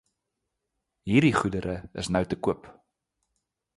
Hierdie goedere is nou te koop.